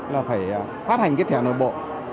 là phải phát hành cái thẻ nội bộ